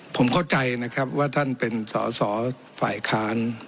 ผมเข้าใจนะครับว่าท่านเป็นสอสอฝ่ายค้าน